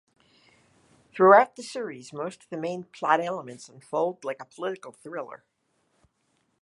Throughout the series most of the main plot elements unfold like a political thriller.